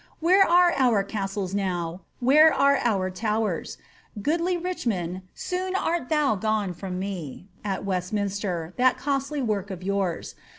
Where are our castles now? where are our towersf Goodly Richmond, soon art thou gone from me, At Westminster, that costly work' of yours.